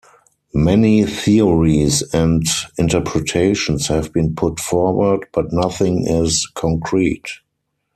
Many theories and interpretations have been put forward, but nothing is concrete.